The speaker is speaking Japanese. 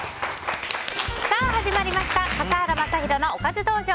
始まりました笠原将弘のおかず道場。